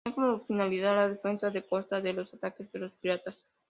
Tenía como finalidad la defensa de la costa de los ataques de los piratas.